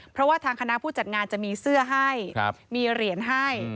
เพราะว่าทางคณะผู้จัดงานจะมีเสื้อให้มีเหรียญให้